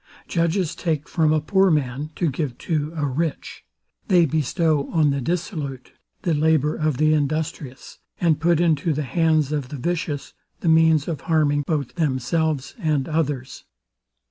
Judges take from a poor man to give to a rich; they bestow on the dissolute the labour of the industrious; and put into the hands of the vicious the means of harming both themselves and others.